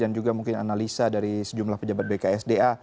dan juga mungkin analisa dari sejumlah pejabat bksda